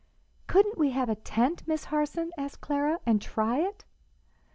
"Couldn't we have a tent, Miss Harson," asked Clara, "and try it?"